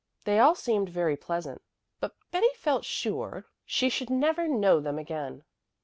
They all seemed very pleasant, but Betty felt sure she should never know them again.